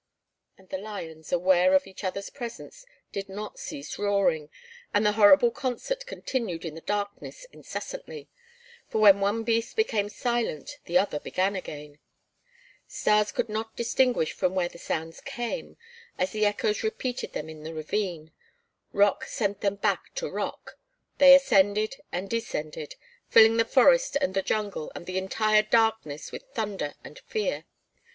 And the lions, aware of each other's presence, did not cease roaring, and the horrible concert continued in the darkness incessantly, for when one beast became silent the other began again. Stas soon could not distinguish from where the sounds came, as the echoes repeated them in the ravine; rock sent them back to rock, they ascended and descended, filling the forest and the jungle, and the entire darkness with thunder and fear.